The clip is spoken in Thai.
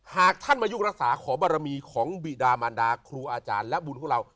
หากท่านมายุกรักษาขอบรมีของบิดามันดาครูอาจารย์และบุญของเรา